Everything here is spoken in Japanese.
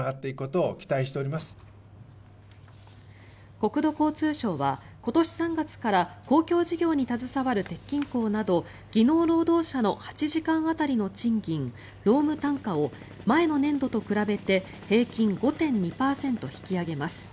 国土交通省は今年３月から公共事業に携わる鉄筋工など技能労働者の８時間当たりの賃金労務単価を前の年度と比べて平均５．２％引き上げます。